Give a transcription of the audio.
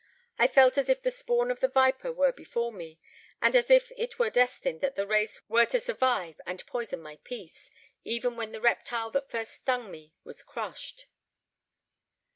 I felt as if the spawn of the viper were before me, and as if it were destined that the race were to survive and poison my peace, even when the reptile that first stung me was crushed."